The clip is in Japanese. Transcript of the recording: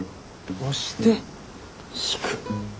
押して引く。